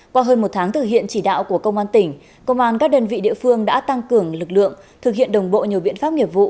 qua hơn một tháng thực hiện chỉ đạo của công an tỉnh công an các đơn vị địa phương đã tăng cường lực lượng thực hiện đồng bộ nhiều biện pháp nghiệp vụ